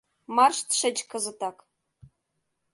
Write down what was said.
Марш тышеч кызытак!